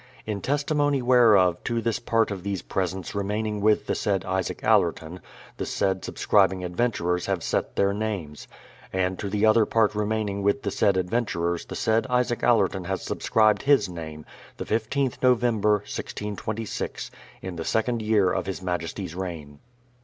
In testimony whereof to this part of these presents remaining with the said Isaac Allerton, the said subscribing adventurers have set their names, ... And to the other part remaining with the said adventurers the .'■■aid Isaac Allerton has subscribed his name, the 15th Nov., 1626, in the second year of his majesty's reign.